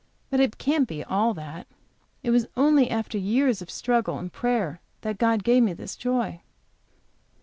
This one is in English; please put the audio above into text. But it can't be all that. It was only after years of struggle and prayer that God gave me this joy.